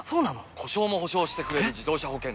故障も補償してくれる自動車保険といえば？